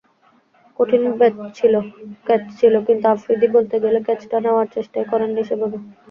কঠিন ক্যাচ ছিল, কিন্তু আফ্রিদি বলতে গেলে ক্যাচটা নেওয়ার চেষ্টাই করেননি সেভাবে।